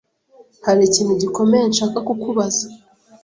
hari ikintu gikomeye nshaka kukubaza’